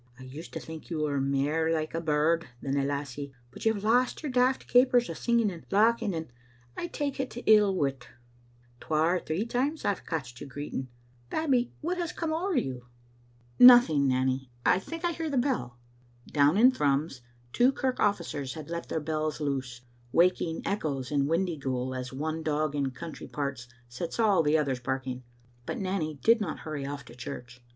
I used to think you were mair like a bird than a lassie, but you've lost a* your daft capers o* singing andlauch ing, and I take ill wi't. Twa or three times I've catched you greeting. Babbie, what has come ower you?" Digitized by VjOOQ IC aontain6 a JSIttb. 207 " Nothing, Nanny. I think I hear the bell." Down in Thrums two kirk ofScers had let their bells loose, waking echoes in Wind3^ghoul as one dog in country parts sets all the others barking, but Nanny did not hurry off to church.